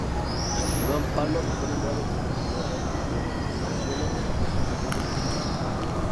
Iván Pávlov fue nombrado como el fisiólogo más importante del mundo.